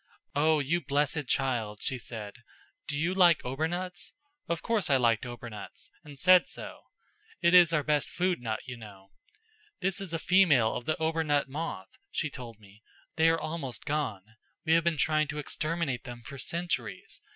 'Oh, you blessed child,' she said. 'Do you like obernuts?' Of course I liked obernuts, and said so. It is our best food nut, you know. 'This is a female of the obernut moth,' she told me. 'They are almost gone. We have been trying to exterminate them for centuries.